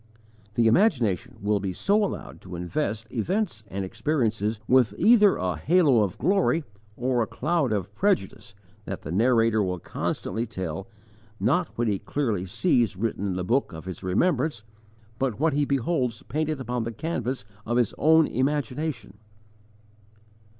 The imagination will be so allowed to invest events and experiences with either a halo of glory or a cloud of prejudice that the narrator will constantly tell, not what he clearly sees written in the book of his remembrance, but what he beholds painted upon the canvas of his own imagination.